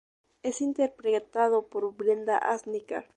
Es interpretado por Brenda Asnicar.